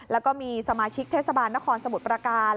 แล้วก็มีสมาชิกเทศบาลนครสมุทรประการ